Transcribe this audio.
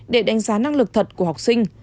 để đánh giá năng lực thật của học sinh